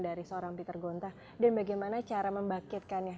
dari seorang peter gonta dan bagaimana cara membangkitkannya